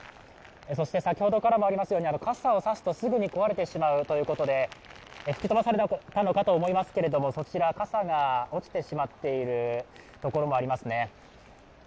そして先ほどからもありますように、傘を差すとすぐに壊れてしまうということで、吹き飛ばされたのかと思いますけれども、そちら、傘が落ちてしまっているところもありますね。